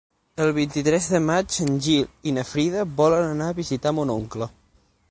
El vint-i-tres de maig en Gil i na Frida volen anar a visitar mon oncle.